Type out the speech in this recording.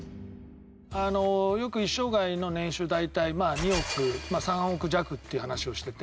あのよく一生涯の年収大体まあ２億３億弱っていう話をしてて。